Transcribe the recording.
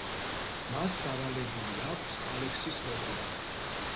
მას დავალებული აქვს ალექსის მოკვლა.